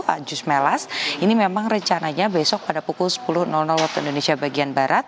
a jusmelas ini memang rencananya besok pada pukul sepuluh wib